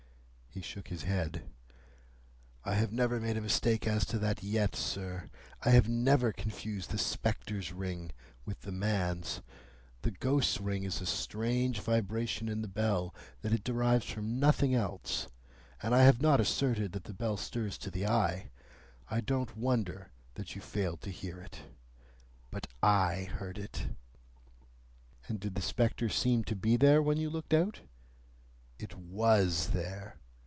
He shook his head. "I have never made a mistake as to that yet, sir. I have never confused the spectre's ring with the man's. The ghost's ring is a strange vibration in the bell that it derives from nothing else, and I have not asserted that the bell stirs to the eye. I don't wonder that you failed to hear it. But I heard it." "And did the spectre seem to be there, when you looked out?" "It WAS there."